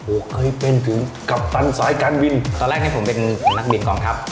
โอ้โหเคยเป็นถึงกัปตันสายการบินตอนแรกให้ผมเป็นนักบินกองทัพ